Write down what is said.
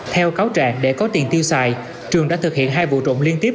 theo cáo trạng để có tiền tiêu xài trường đã thực hiện hai vụ trộm liên tiếp